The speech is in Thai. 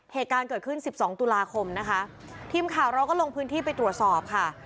เหตุการณ์เกิดขึ้นสิบสองตุลาคมนะคะทีมข่าวเราก็ลงพื้นที่ไปตรวจสอบค่ะ